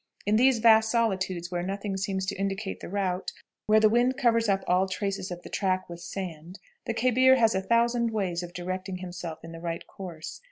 "In these vast solitudes, where nothing seems to indicate the route, where the wind covers up all traces of the track with sand, the khebir has a thousand ways of directing himself in the right course.